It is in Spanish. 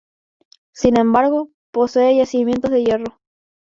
Sin embargo, posee yacimientos de hierro.